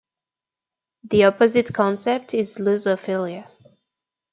The opposite concept is lusophilia.